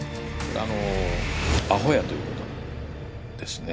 あのアホやということなんですね。